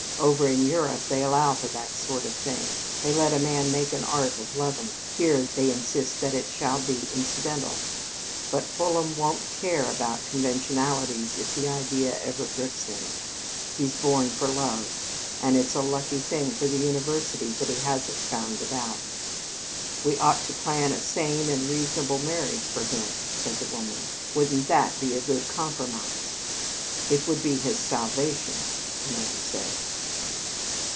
Over in Europe they allow for that sort of thing. They let a man make an art of loving. Here they insist that it shall be incidental. But Fulham won't care about conventionalities if the idea ever grips him. He's born for love, and it's a lucky thing for the University that he hasn't found it out.' 'We ought to plan a sane and reasonable marriage for him,' said the woman. 'Wouldn't that be a good compromise?' 'It would be his salvation,' the man said."